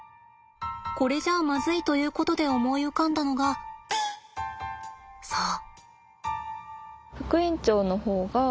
これじゃあまずいということで思い浮かんだのがそう。